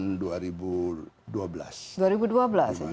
dua ribu dua belas jadi sudah enam tahun lima tahun ya